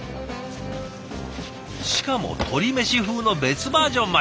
しかも鶏メシ風の別バージョンまで。